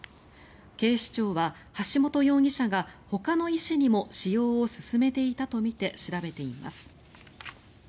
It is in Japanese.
警視庁は橋本容疑者がほかの医師にも使用を勧めていたとみて調べています。